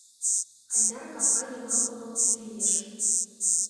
Айдар капка йымал орол пий лиеш...